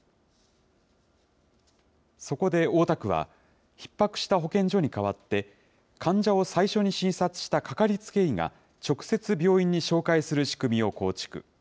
そこで大田区は、ひっ迫した保健所に代わって、患者を最初に診察したかかりつけ医が、直接病院に紹介する仕組みを構築。